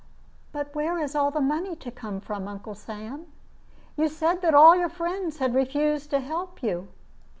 "But where is all the money to come from, Uncle Sam? You said that all your friends had refused to help you."